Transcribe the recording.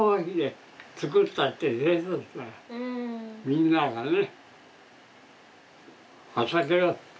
みんながね。